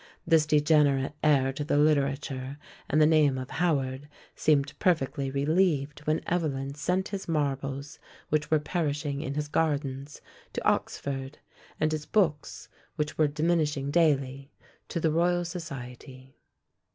This degenerate heir to the literature and the name of Howard seemed perfectly relieved when Evelyn sent his marbles, which were perishing in his gardens, to Oxford, and his books, which were diminishing daily, to the Royal Society!